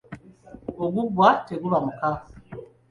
Oguggwa teguba muka.